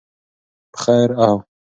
په خیر او